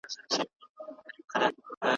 رسول الله ئې امان تائيد کړی وو.